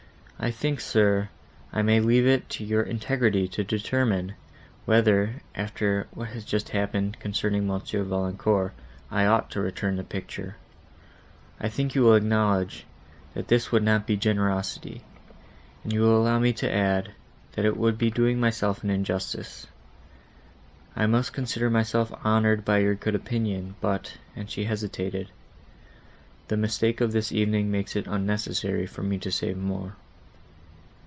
"I think, sir, I may leave it to your integrity to determine, whether, after what has just appeared, concerning Mons. Valancourt, I ought to return the picture. I think you will acknowledge, that this would not be generosity; and you will allow me to add, that it would be doing myself an injustice. I must consider myself honoured by your good opinion, but"—and she hesitated,—"the mistake of this evening makes it unnecessary for me to say more."